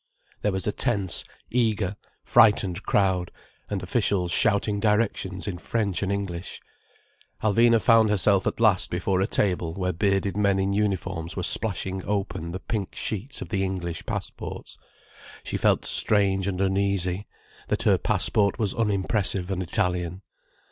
There was a tense, eager, frightened crowd, and officials shouting directions in French and English. Alvina found herself at last before a table where bearded men in uniforms were splashing open the big pink sheets of the English passports: she felt strange and uneasy, that her passport was unimpressive and Italian.